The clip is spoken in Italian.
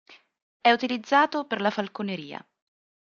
È utilizzato per la falconeria.